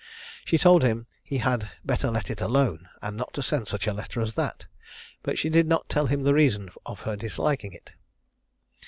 She told him he had better let it alone, and not to send such a letter as that; but she did not tell him the reason of her disliking it.